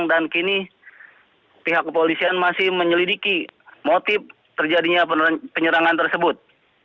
kini pihak kepolisian masih menyelidiki motif terjadinya penyerangan tersebut